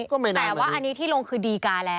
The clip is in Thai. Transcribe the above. ก็ไม่นานมานี้แต่ว่าอันนี้ที่ลงคือดีกาแล้ว